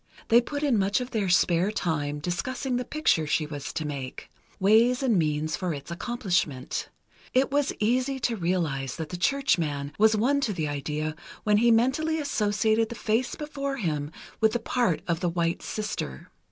They put in much of their spare time discussing the picture she was to make—ways and means for its accomplishment. It was easy to realize that the churchman was won to the idea when he mentally associated the face before him with the part of the White Sister.